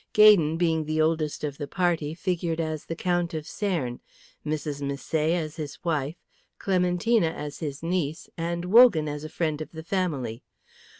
Gaydon, being the oldest of the party, figured as the Count of Cernes, Mrs. Misset as his wife, Clementina as his niece, and Wogan as a friend of the family.